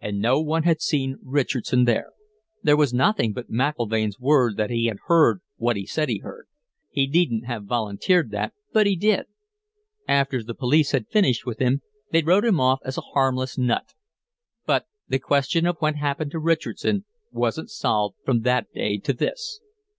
"And no one had seen Richardson there. There was nothing but McIlvaine's word that he had heard what he said he heard. He needn't have volunteered that, but he did. After the police had finished with him, they wrote him off as a harmless nut. But the question of what happened to Richardson wasn't solved from that day to this."